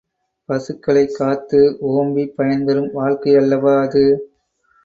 பசுக்களைக் காத்து ஓம்பிப் பயன்பெறும் வாழ்க்கை அல்லவா அது?